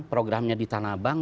programnya di tanah abang